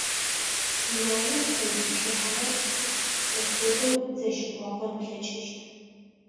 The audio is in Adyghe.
Дунаеу тыкъэзыуцухьэрэр шӏэх дэдэу зэщыбгъэкъон плъэкӏыщт.